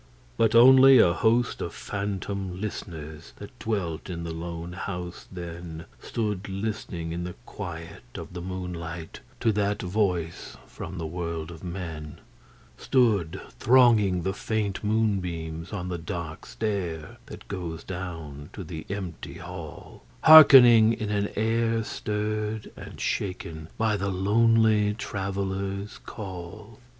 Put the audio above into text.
But only a host of phantom listenersThat dwelt in the lone house thenStood listening in the quiet of the moonlightTo that voice from the world of men:Stood thronging the faint moonbeams on the dark stair, That goes down to the empty hall, Hearkening in an air stirred and shakenBy the lonely Traveller's call.